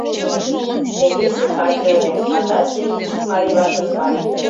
— Теҥгече каче ыле, а таче — ик марий ватын марийже.